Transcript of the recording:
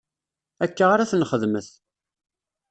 Akka ara t-nxedmet.